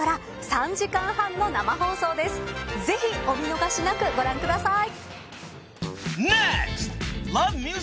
ぜひお見逃しなくご覧ください。